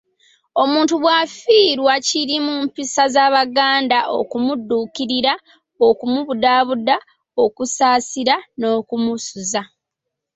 Omuntu bw'afiirwa kiri mu mpisa z'Abaganda okumudduukirira, okumubudaabuda, okusaasira n'okumusuza.